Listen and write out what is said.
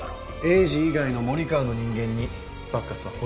栄治以外の森川の人間にバッカスは吠えます。